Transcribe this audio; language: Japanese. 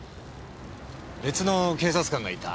別の警察官がいた。